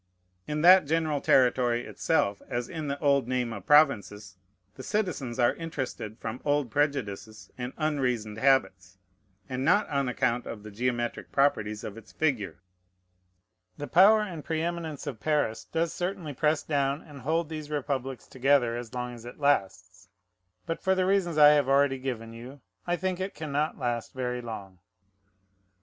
In that general territory itself, as in the old name of Provinces, the citizens are interested from old prejudices and unreasoned habits, and not on account of the geometric properties of its figure. The power and preëminence of Paris does certainly press down and hold these republics together as long as it lasts: but, for the reasons I have already given you, I think it can not last very long.